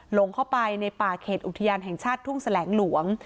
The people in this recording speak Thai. หลงไปในป่าเขตอุทยานแห่งชาติทุ่งแสลงหลวง